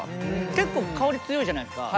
結構香り強いじゃないですか。